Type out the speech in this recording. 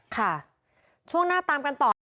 ค่ะช่วงหน้าตามกันต่อ